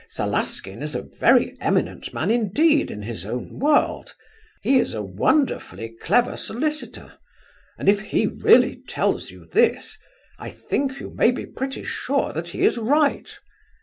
Salaskin is a very eminent man, indeed, in his own world; he is a wonderfully clever solicitor, and if he really tells you this, I think you may be pretty sure that he is right.